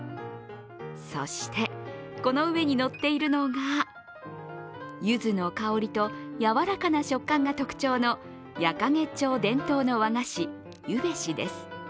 そして、この上に乗っているのがゆずの香りとやわらかな食感が特徴の矢掛町伝統の和菓子ゆべしです。